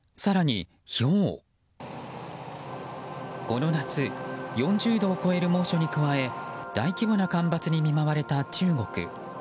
この夏４０度を超える猛暑に加え大規模な干ばつに見舞われた中国。